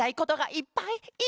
いっぱい！